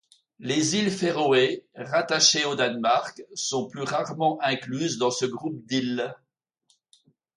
Les îles Féroé, rattachées au Danemark, sont plus rarement incluses dans ce groupe d’îles.